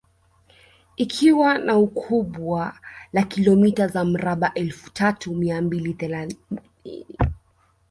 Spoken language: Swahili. Ikiwa na ukubwa la kilomita za mraba elfu tatu mia mbili thelathini